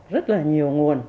rất là nhiều nguồn